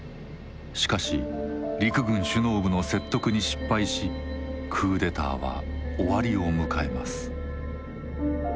しかし陸軍首脳部の説得に失敗しクーデターは終わりを迎えます。